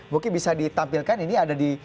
mungkin bisa ditampilkan ini ada di